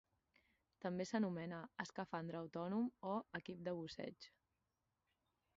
També s'anomena "escafandre autònom" o "equip de busseig".